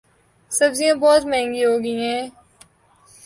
سبزیاں بہت مہنگی ہوگئی ہیں